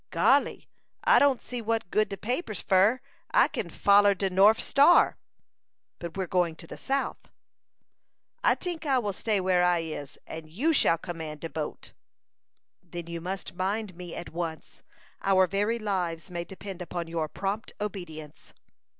"Golly! I don't see what good de paper's fur. I kin foller de norf star." "But we are going to the south." "I tink I will stay where I is, and you shall command de boat." "Then you must mind me at once. Our very lives may depend upon your prompt obedience."